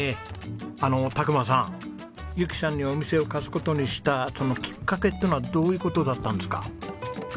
あの磨さんゆきさんにお店を貸す事にしたそのきっかけってのはどういう事だったんですか？